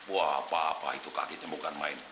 wah papa itu kagetnya bukan main